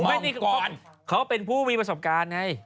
แล้วเขาเป็นผู้มีประสบการณ์ไง